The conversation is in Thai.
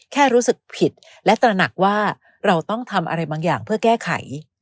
แค่รู้สึกผิดและตระหนักว่าเราต้องทำอะไรบางอย่างเพื่อแก้ไข